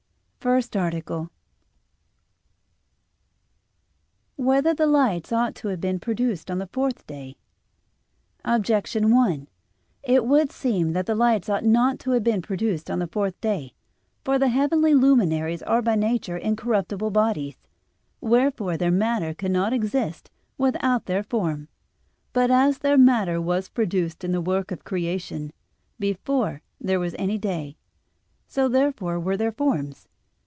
_______________________ FIRST ARTICLE [I, Q. 70, Art. 1] Whether the Lights Ought to Have Been Produced on the Fourth Day? Objection 1: It would seem that the lights ought not to have been produced on the fourth day. For the heavenly luminaries are by nature incorruptible bodies: wherefore their matter cannot exist without their form. But as their matter was produced in the work of creation, before there was any day, so therefore were their forms.